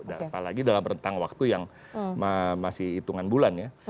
apalagi dalam rentang waktu yang masih hitungan bulan ya